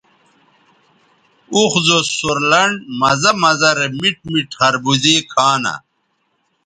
اوخ زو سور لنڈ مزہ مزہ رے میٹ میٹ خربوزے کھانہ